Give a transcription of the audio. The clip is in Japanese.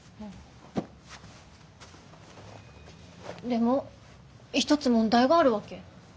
でも一つ問題があるわけ。